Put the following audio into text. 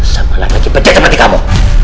sama lagi pecah seperti kamu